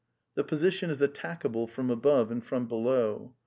The position is attackable from above and from below.